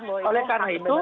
oleh karena itu